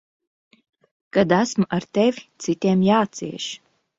Kad esmu ar tevi, citiem jācieš.